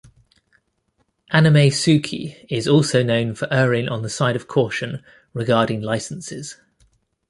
AnimeSuki is also known for erring on the side of caution regarding licenses.